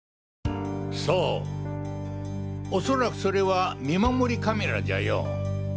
そうおそらくそれは見守りカメラじゃよ。